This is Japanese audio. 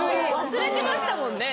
忘れてましたもんね。